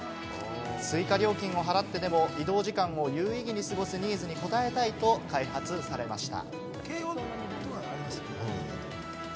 追加料金を払ってでも移動時間を有意義に過ごすニーズに応えたいと開発されました。